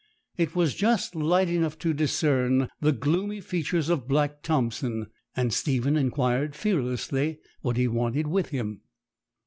It was just light enough to discern the gloomy features of Black Thompson; and Stephen inquired fearlessly what he wanted with him.